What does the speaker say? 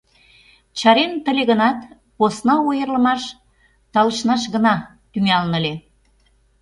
Чареныт ыле гынат, посна ойырлымаш талышнаш гына тӱҥалын ыле.